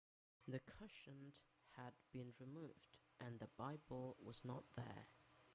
The cushion had been removed, and the Bible was not there.